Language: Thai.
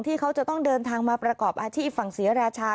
ที่เขาจะต้องเดินทางมาประกอบอาชีพฝั่งศรีราชา